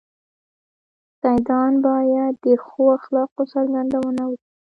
سيدان بايد د ښو اخلاقو څرګندونه وکي.